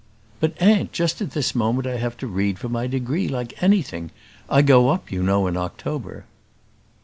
"But, aunt, just at this moment I have to read for my degree like anything. I go up, you know, in October."